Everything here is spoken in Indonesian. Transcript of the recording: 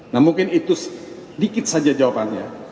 nah mungkin itu sedikit saja jawabannya